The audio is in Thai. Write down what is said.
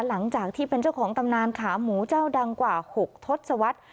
หลังจากที่เป็นเจ้าของตำนานขาหมูเจ้าดังกว่า๖ทศวรรษ